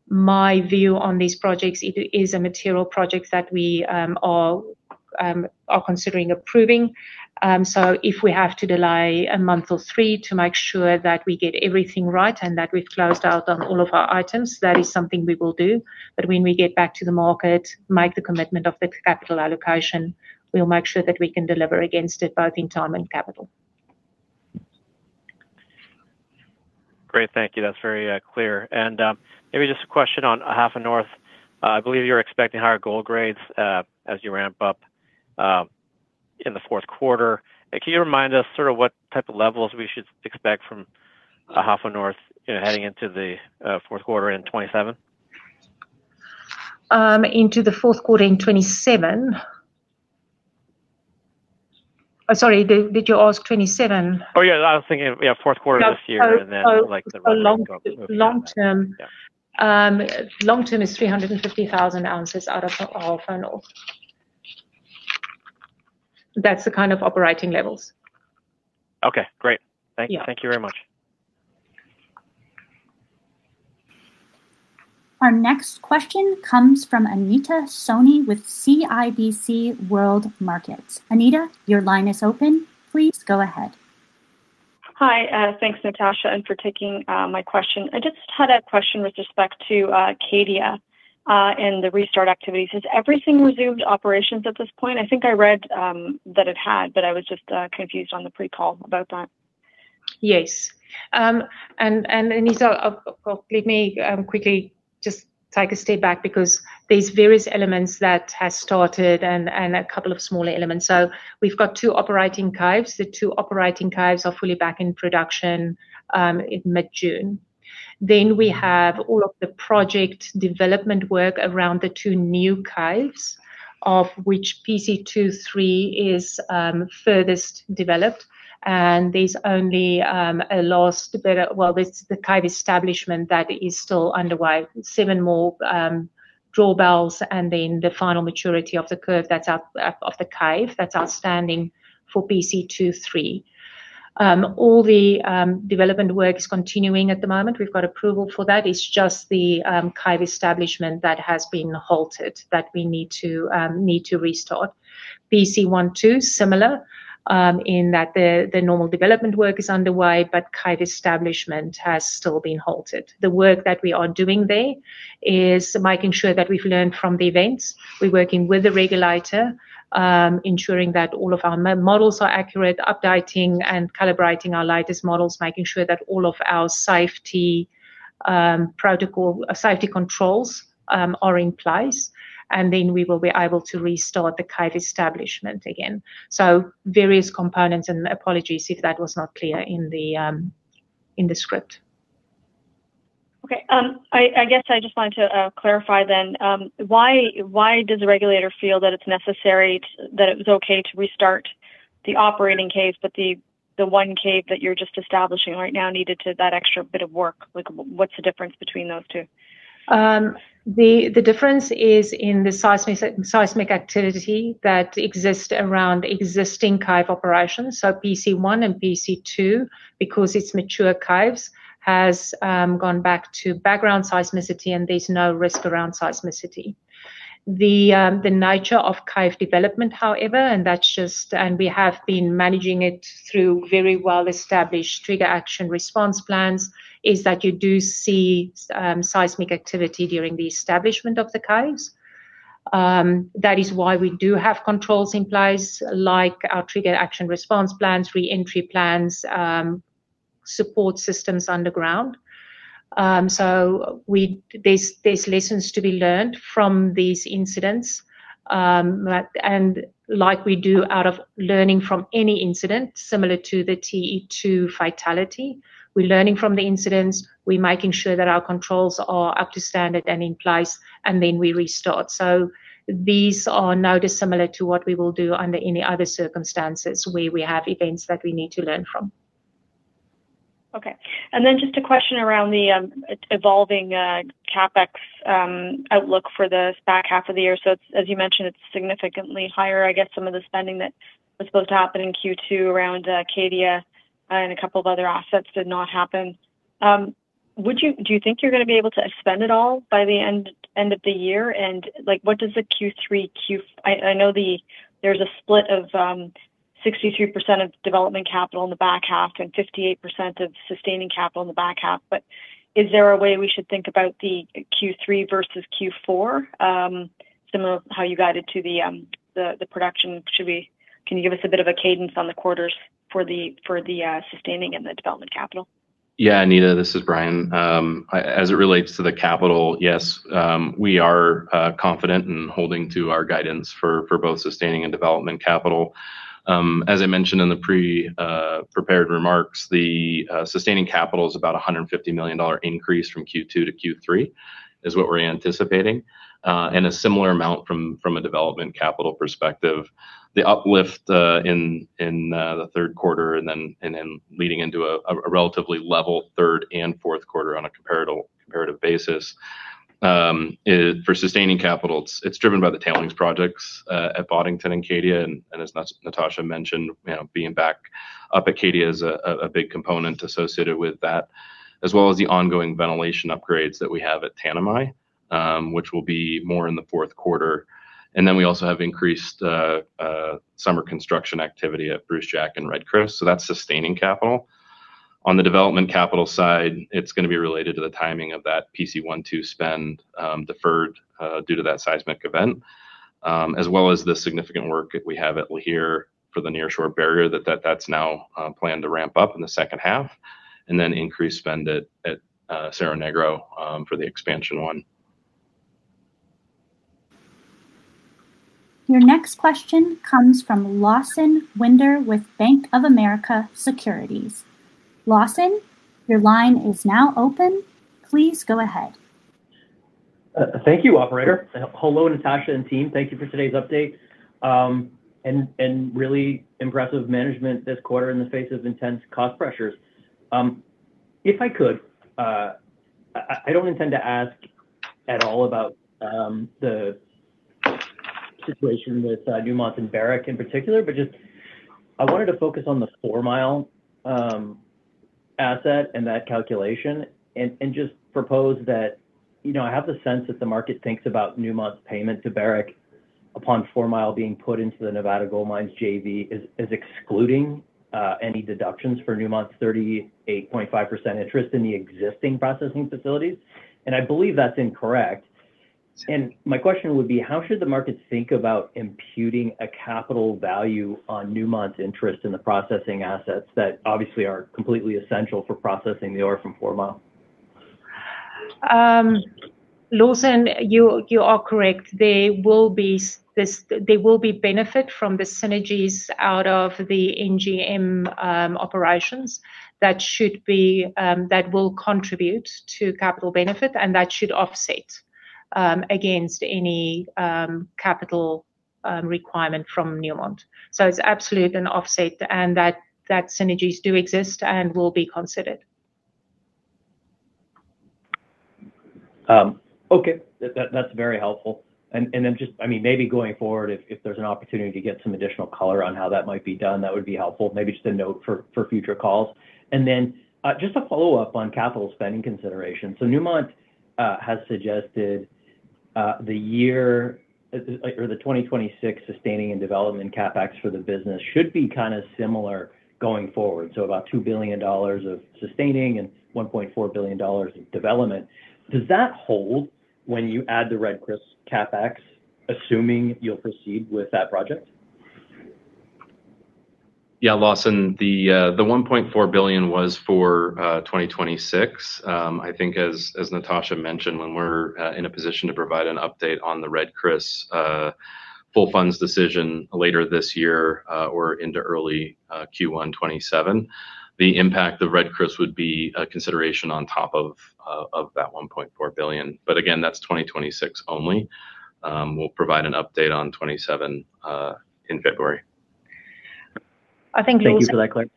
My view on these projects, it is a material project that we are considering approving. If we have to delay a month or three to make sure that we get everything right and that we've closed out on all of our items, that is something we will do. When we get back to the market, make the commitment of the capital allocation, we'll make sure that we can deliver against it, both in time and capital. Great, thank you. That's very clear. Maybe just a question on Ahafo North. I believe you're expecting higher gold grades as you ramp-up in the fourth quarter. Can you remind us what type of levels we should expect from Ahafo North heading into the fourth quarter in 2027? Into the fourth quarter in 2027? Sorry, did you ask 2027? Oh, yeah, I was thinking fourth quarter this year and then like the run-rate going forward. Long-term. Yeah. Long-term is 350,000 ounces out of Ahafo North. That's the kind of operating levels. Okay, great. Yeah. Thank you very much. Our next question comes from Anita Soni with CIBC World Markets. Anita, your line is open. Please go ahead. Hi. Thanks, Natascha, for taking my question. I just had a question with respect to Cadia and the restart activities. Has everything resumed operations at this point? I think I read that it had, but I was just confused on the pre-call about that. Yes. Anita, let me quickly just take a step back, because there's various elements that has started and a couple of smaller elements. We've got two operating caves. The two operating caves are fully back in production in mid-June. We have all of the project development work around the two new caves, of which PC2-3 is furthest developed. There's only a last bit of, well, there's the cave establishment that is still underway. Seven more drawbells, and then the final maturity of the curve that's of the cave, that's outstanding for PC2-3. All the development work is continuing at the moment. We've got approval for that. It's just the cave establishment that has been halted that we need to restart. PC1-2, similar in that the normal development work is underway, but cave establishment has still been halted. The work that we are doing there is making sure that we've learned from the events. We're working with the regulator, ensuring that all of our models are accurate, updating and calibrating our latest models, making sure that all of our safety controls are in place. Then we will be able to restart the cave establishment again. Various components, apologies if that was not clear in the script. Okay. I guess I just wanted to clarify. Why does the regulator feel that it's necessary, that it was okay to restart the operating caves, but the one cave that you're just establishing right now needed to that extra bit of work? What's the difference between those two? The difference is in the seismic activity that exists around existing cave operations. PC1 and PC2, because it's mature caves, has gone back to background seismicity and there's no risk around seismicity. The nature of cave development, however, and we have been managing it through very well-established trigger action response plans, is that you do see seismic activity during the establishment of the caves. That is why we do have controls in place, like our trigger action response plans, re-entry plans, support systems underground. There's lessons to be learned from these incidents. Like we do out of learning from any incident, similar to the TE2 fatality, we're learning from the incidents. We're making sure that our controls are up to standard and in place, we restart. These are not dissimilar to what we will do under any other circumstances where we have events that we need to learn from. Okay. Just a question around the evolving CapEx outlook for the back half of the year. As you mentioned, it's significantly higher. I guess some of the spending that was supposed to happen in Q2 around Cadia and a couple of other assets did not happen. Do you think you're going to be able to spend it all by the end of the year? I know there's a split of 63% of development capital in the back half and 58% of sustaining capital in the back half, but is there a way we should think about the Q3 versus Q4, similar how you guided to the production? Can you give us a bit of a cadence on the quarters for the sustaining and the development capital? Yeah, Anita, this is Brian. As it relates to the capital, yes, we are confident in holding to our guidance for both sustaining and development capital. As I mentioned in the pre-prepared remarks, the sustaining capital is about $150 million increase from Q2 to Q3, is what we're anticipating, and a similar amount from a development capital perspective. The uplift in the third quarter and then leading into a relatively level third and fourth quarter on a comparative basis. For sustaining capital, it's driven by the tailings projects at Boddington and Cadia. As Natascha mentioned, being back up at Cadia is a big component associated with that, as well as the ongoing ventilation upgrades that we have at Tanami, which will be more in the fourth quarter. We also have increased summer construction activity at Brucejack and Red Chris, so that's sustaining capital. On the development capital side, it's going to be related to the timing of that PC1-2 spend, deferred due to that seismic event, as well as the significant work that we have at Lihir for the Nearshore Soil Barrier, that's now planned to ramp-up in the second half, and then increase spend at Cerro Negro for the Expansion 1. Your next question comes from Lawson Winder with Bank of America Securities. Lawson, your line is now open. Please go ahead. Thank you, operator. Hello, Natascha and team. Thank you for today's update, really impressive management this quarter in the face of intense cost pressures. If I could, I don't intend to ask at all about the situation with Newmont and Barrick in particular, but just I wanted to focus on the Fourmile asset and that calculation and just propose that, I have the sense that the market thinks about Newmont's payment to Barrick upon Fourmile being put into the Nevada Gold Mines JV, is excluding any deductions for Newmont's 38.5% interest in the existing processing facilities, and I believe that's incorrect. My question would be, how should the markets think about imputing a capital value on Newmont's interest in the processing assets that obviously are completely essential for processing the ore from Fourmile? Lawson, you are correct. There will be benefit from the synergies out of the NGM operations that will contribute to capital benefit and that should offset against any capital requirement from Newmont. It's absolutely going to offset, and that synergies do exist and will be considered. Okay. That's very helpful. Just, maybe going forward, if there's an opportunity to get some additional color on how that might be done, that would be helpful. Maybe just a note for future calls. Just a follow-up on capital spending consideration. Newmont has suggested the year, or the 2026 sustaining and development CapEx for the business should be kind of similar going forward. About $2 billion of sustaining and $1.4 billion of development. Does that hold when you add the Red Chris CapEx, assuming you'll proceed with that project? Yeah, Lawson. The $1.4 billion was for 2026. I think as Natascha mentioned, when we're in a position to provide an update on the Red Chris full funds decision later this year or into early Q1 2027, the impact of Red Chris would be a consideration on top of that $1.4 billion. Again, that's 2026 only. We'll provide an update on 2027 in February. Thank you for that clarity.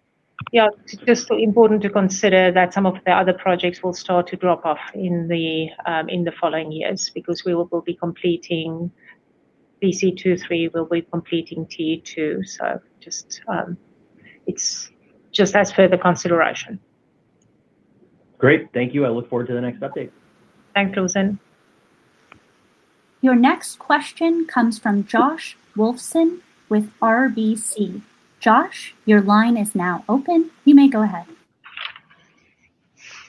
Yeah. It's just important to consider that some of the other projects will start to drop off in the following years because we will be completing PC2-3, we will be completing T2, so just as further consideration. Great. Thank you. I look forward to the next update. Thanks, Lawson. Your next question comes from Josh Wolfson with RBC. Josh, your line is now open. You may go ahead.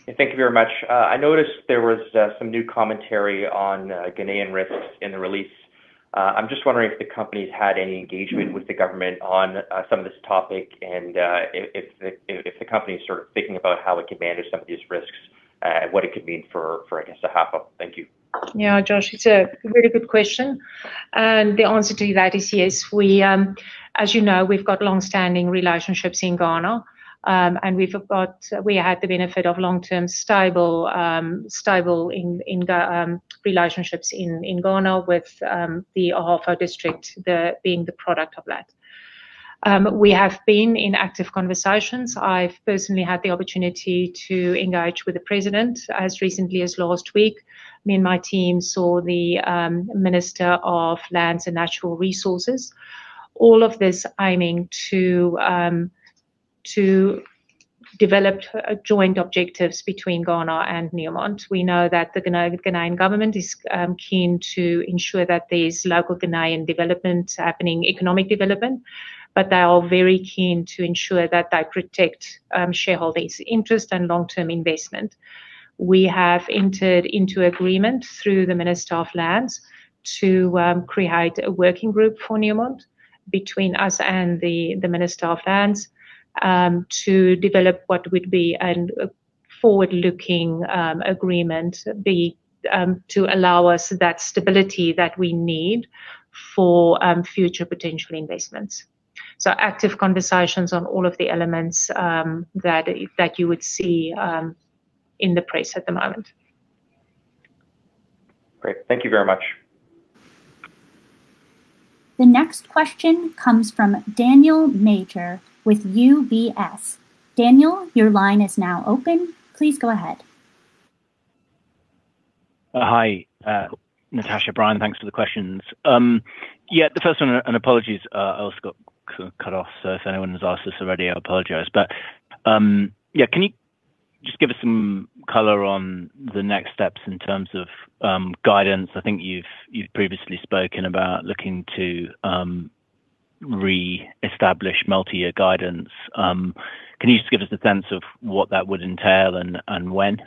Thank you very much. I noticed there was some new commentary on Ghanaian risks in the release. I'm just wondering if the company's had any engagement with the government on some of this topic and if the company's sort of thinking about how it could manage some of these risks and what it could mean for, I guess, Ahafo. Thank you. Josh, it's a really good question. The answer to that is yes. As you know, we've got longstanding relationships in Ghana. We had the benefit of long-term stable in relationships in Ghana with the Ahafo district being the product of that. We have been in active conversations. I've personally had the opportunity to engage with the President as recently as last week. Me and my team saw the Minister of Lands and Natural Resources. All of this aiming to develop joint objectives between Ghana and Newmont. We know that the Ghanaian government is keen to ensure that there's local Ghanaian development happening, economic development. They are very keen to ensure that they protect shareholders' interest and long-term investment. We have entered into agreement through the Minister of Lands to create a working group for Newmont between us and the Minister of Lands, to develop what would be an forward-looking agreement to allow us that stability that we need for future potential investments. Active conversations on all of the elements that you would see in the press at the moment. Great. Thank you very much. The next question comes from Daniel Major with UBS. Daniel, your line is now open. Please go ahead. Hi, Natascha, Brian, thanks for the questions. Yeah, the first one, apologies, I also got cut off, so if anyone has asked this already, I apologize. Can you just give us some color on the next steps in terms of guidance? I think you've previously spoken about looking to reestablish multi-year guidance. Can you just give us a sense of what that would entail and when?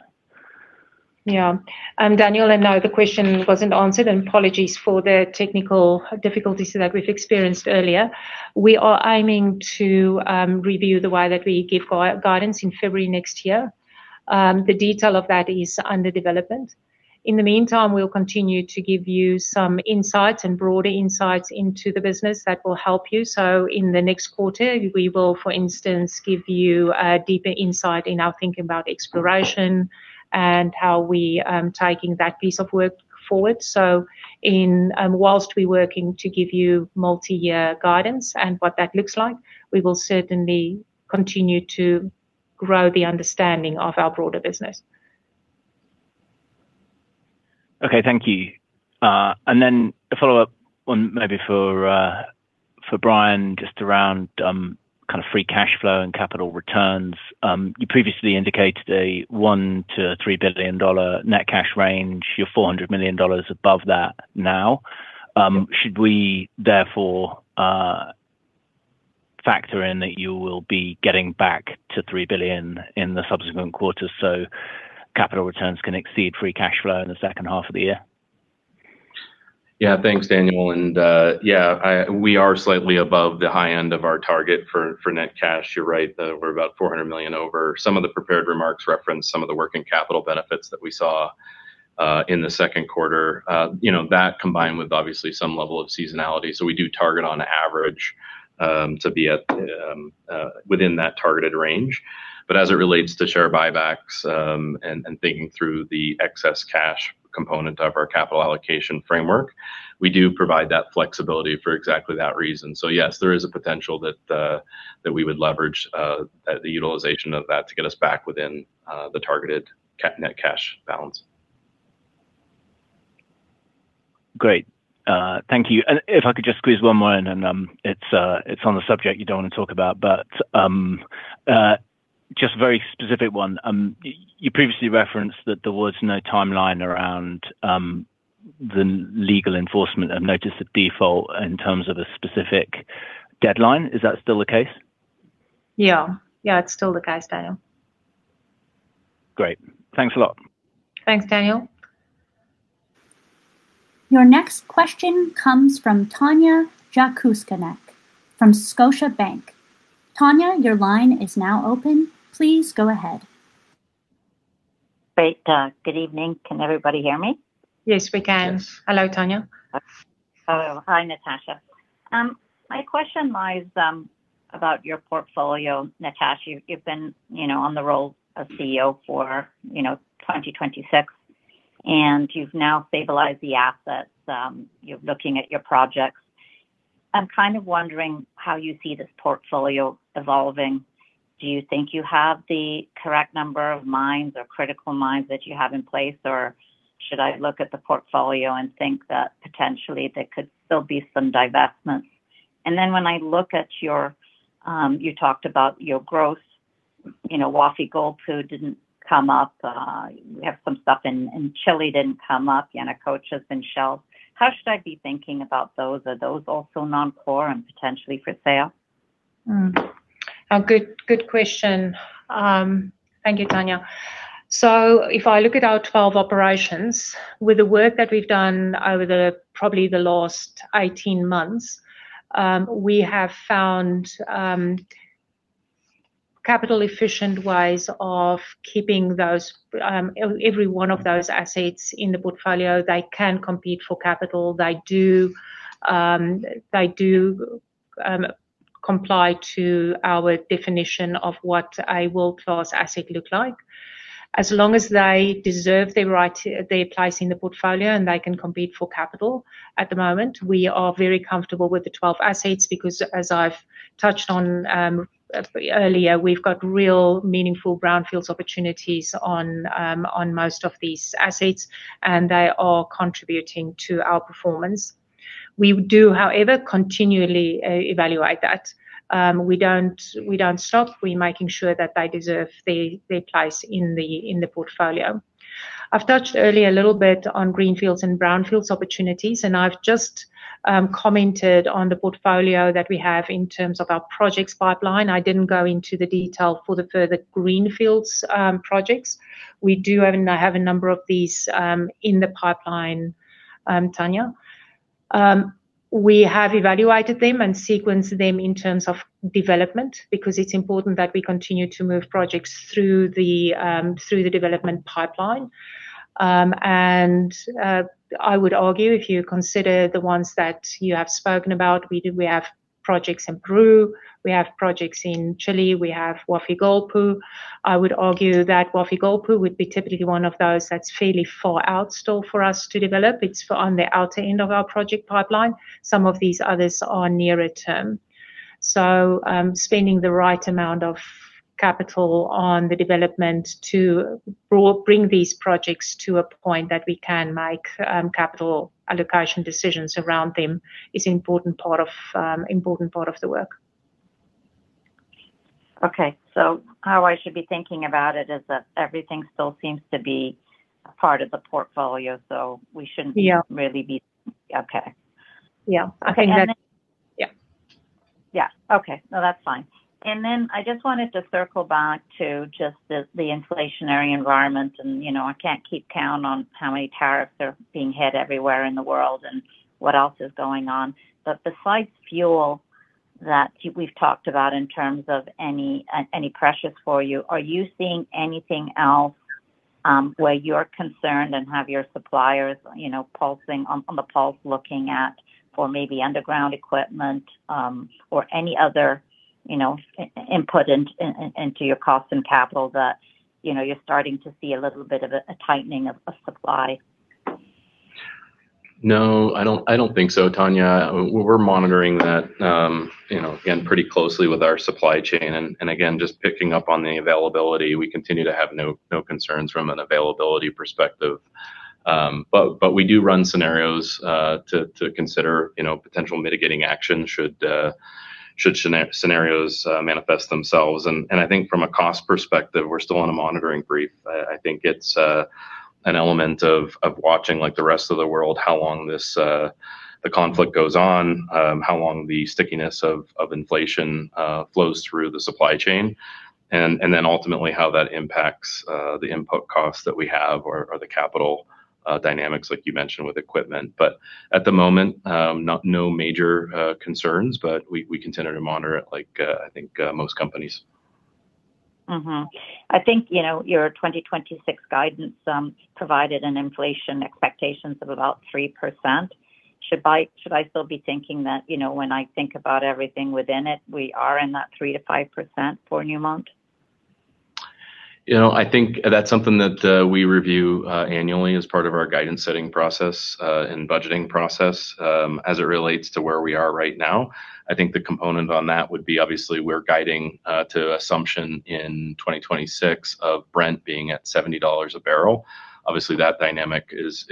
Yeah. Daniel, I know the question wasn't answered, apologies for the technical difficulties that we've experienced earlier. We are aiming to review the way that we give guidance in February next year. The detail of that is under development. In the meantime, we'll continue to give you some insights and broader insights into the business that will help you. In the next quarter, we will, for instance, give you a deeper insight in our thinking about exploration and how we are taking that piece of work forward. Whilst we're working to give you multi-year guidance and what that looks like, we will certainly continue to grow the understanding of our broader business. Okay. Thank you. Then a follow-up one maybe for Brian, just around kind of free cash flow and capital returns. You previously indicated a $1 billion-$3 billion net cash range. You're $400 million above that now. Should we therefore factor in that you will be getting back to $3 billion in the subsequent quarters so capital returns can exceed free cash flow in the second half of the year? Thanks, Daniel. We are slightly above the high end of our target for net cash. You're right that we're about $400 million over. Some of the prepared remarks referenced some of the working capital benefits that we saw in the second quarter. That combined with obviously some level of seasonality. We do target on average to be within that targeted range. As it relates to share buybacks, and thinking through the excess cash component of our capital allocation framework, we do provide that flexibility for exactly that reason. Yes, there is a potential that we would leverage the utilization of that to get us back within the targeted net cash balance. Great. Thank you. If I could just squeeze one more in, it's on the subject you don't want to talk about, just very specific one. You previously referenced that there was no timeline around the legal enforcement of notice of default in terms of a specific deadline. Is that still the case? It's still the case, Daniel. Great. Thanks a lot. Thanks, Daniel. Your next question comes from Tanya Jakusconek from Scotiabank. Tanya, your line is now open. Please go ahead. Great. Good evening. Can everybody hear me? Yes, we can. Hello, Tanya. Hello. Hi, Natascha. My question lies about your portfolio, Natascha. You've been on the role of CEO for 2026. You've now stabilized the assets. You're looking at your projects. I'm kind of wondering how you see this portfolio evolving. Do you think you have the correct number of mines or critical mines that you have in place, or should I look at the portfolio and think that potentially there could still be some divestments? When I look at your, you talked about your growth, Wafi-Golpu didn't come up. You have some stuff in Chile didn't come up. Yanacocha's been shelved. How should I be thinking about those? Are those also non-core and potentially for sale? Good question. Thank you, Tanya. If I look at our 12 operations with the work that we've done over the, probably the last 18 months, we have found capital efficient ways of keeping every one of those assets in the portfolio. They can compete for capital. They do comply to our definition of what a world-class asset look like. As long as they deserve their place in the portfolio, and they can compete for capital, at the moment, we are very comfortable with the 12 assets because, as I've touched on earlier, we've got real meaningful brownfields opportunities on most of these assets, and they are contributing to our performance. We do, however, continually evaluate that. We don't stop. We're making sure that they deserve their place in the portfolio. I've touched earlier a little bit on greenfields and brownfields opportunities, and I've just commented on the portfolio that we have in terms of our projects pipeline. I didn't go into the detail for the further greenfields projects. We do have a number of these in the pipeline, Tanya. We have evaluated them and sequenced them in terms of development, because it's important that we continue to move projects through the development pipeline. I would argue, if you consider the ones that you have spoken about, we have projects in Peru, we have projects in Chile, we have Wafi-Golpu. I would argue that Wafi-Golpu would be typically one of those that's fairly far out still for us to develop. It's on the outer end of our project pipeline. Some of these others are nearer-term. Spending the right amount of capital on the development to bring these projects to a point that we can make capital allocation decisions around them is an important part of the work. Okay. How I should be thinking about it is that everything still seems to be a part of the portfolio. Yeah. Really be. Okay. Yeah. Okay. Yeah. Okay. No, that's fine. I just wanted to circle back to just the inflationary environment and I can't keep count on how many tariffs are being hit everywhere in the world and what else is going on. Besides fuel that we've talked about in terms of any pressures for you, are you seeing anything else where you're concerned and have your suppliers on the pulse looking at, for maybe underground equipment or any other input into your cost and capital that you're starting to see a little bit of a tightening of supply? No, I don't think so, Tanya. We're monitoring that again, pretty closely with our supply chain, and again, just picking up on the availability. We continue to have no concerns from an availability perspective. We do run scenarios to consider potential mitigating action should scenarios manifest themselves. I think from a cost perspective, we're still on a monitoring brief. I think it's an element of watching like the rest of the world, how long the conflict goes on, how long the stickiness of inflation flows through the supply chain. Ultimately how that impacts the input costs that we have or the capital dynamics like you mentioned with equipment. At the moment, no major concerns, but we continue to monitor it like I think most companies. I think your 2026 guidance provided an inflation expectations of about 3%. Should I still be thinking that when I think about everything within it, we are in that 3%-5% for Newmont? I think that's something that we review annually as part of our guidance setting process and budgeting process. As it relates to where we are right now, I think the component on that would be obviously we're guiding to assumption in 2026 of Brent being at $70 a barrel. Obviously, that dynamic has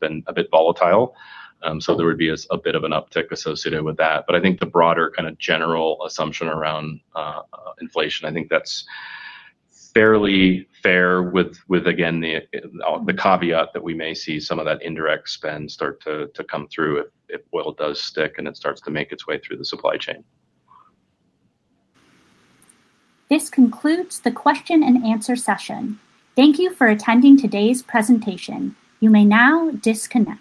been a bit volatile. There would be a bit of an uptick associated with that. I think the broader kind of general assumption around inflation, I think that's fairly fair with, again, the caveat that we may see some of that indirect spend start to come through if oil does stick and it starts to make its way through the supply chain. This concludes the question-and-answer session. Thank you for attending today's presentation. You may now disconnect.